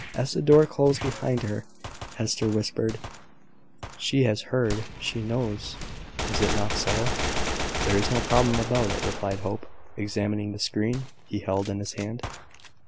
As the door closed behind her, Hester whispered "She has heard. She knows. Is it not so?" "There is no question about it," replied Hope, examining the screen he held in his hand.